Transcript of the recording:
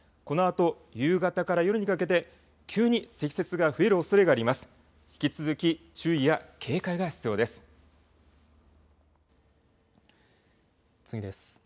このあと夕方から夜にかけて急に積雪が増えるおそれがあります。